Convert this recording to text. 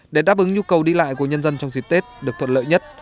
để đáp ứng nhu cầu đi lại của nhân dân trong dịp tết được thuận lợi nhất